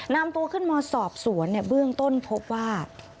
นำตัวขึ้นมาสอบสวนเบื้องต้นพบว่า